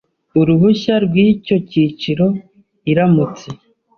uruhushya rw icyo cyiciro iramutse